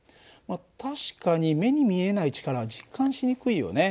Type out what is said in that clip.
確かに目に見えない力は実感しにくいよね。